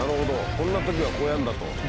「こんなときはこうやるんだ」と。